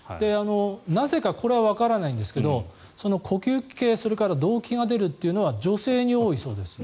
なぜかこれはわからないんですが呼吸器系それから動悸が出るというのは女性に多いそうです。